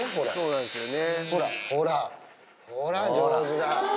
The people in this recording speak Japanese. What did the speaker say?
ほら、ほら、上手だ。